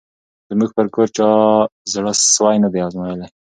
زموږ پر کور چا زړه سوی نه دی آزمییلی